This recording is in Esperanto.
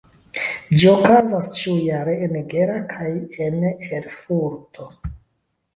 Ĝi okazas ĉiujare en Gera kaj en Erfurto.